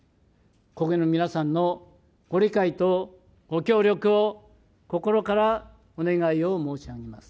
国民の皆さんのご理解とご協力を心からお願いを申し上げます。